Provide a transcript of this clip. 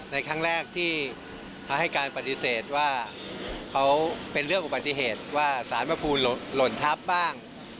ในครั้งแรกที่เขาให้การปฏิเสธว่าเขาเป็นเรื่องอุบัติเหตุว่าสารพระภูมิหล่นทับบ้าง